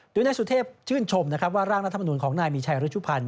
ด้วยนายสุเทพชื่นชมว่าร่างรัฐมนตรีของนายมีชายฤชุพัน